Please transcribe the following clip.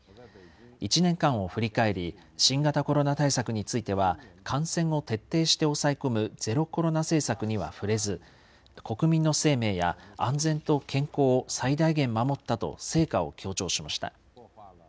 一年間を振り返り、新型コロナ対策については、感染を徹底して抑え込むゼロコロナ政策には触れず、国民の生命や安全と健康を最大限守ったと成果を強調しました。